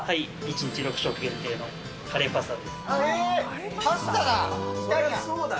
１日６食限定のカレーパスタパスタだ！